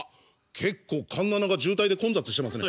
結構環７が渋滞で混雑してますね。